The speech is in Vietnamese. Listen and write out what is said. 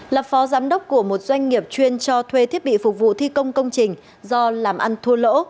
là phó giám đốc của một doanh nghiệp chuyên cho thuê thiết bị phục vụ thi công công trình do làm ăn thua lỗ